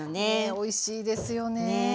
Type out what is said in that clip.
おいしいですよね。